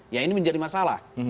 ya ini menjadi masalah